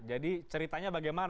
jadi ceritanya bagaimana